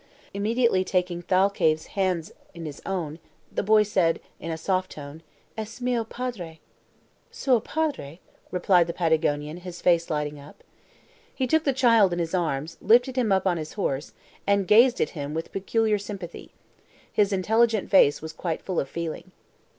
Immediately taking Thalcave's hands in his own, the boy said, in a soft tone: "Es mio padre." "Suo padre," replied the Patagonian, his face lighting up. He took the child in his arms, lifted him up on his horse, and gazed at him with peculiar sympathy. His intelligent face was full of quiet feeling.